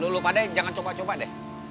lu padahal jangan copa copa deh